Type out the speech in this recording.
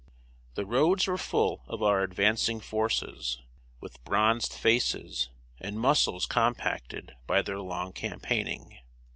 The roads were full of our advancing forces, with bronzed faces and muscles compacted by their long campaigning.